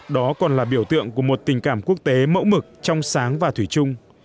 đó còn là biểu tượng của một tình cảm quốc tế mẫu mực trong sáng và thủy trung